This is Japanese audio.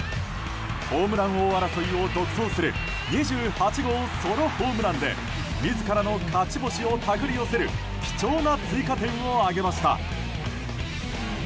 ホームラン王争いを独走する２８号ソロホームランで自らの勝ち星を手繰り寄せる貴重な追加点を挙げました。